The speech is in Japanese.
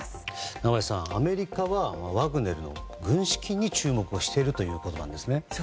中林さん、アメリカはワグネルの軍資金に注目をしているということなんですね。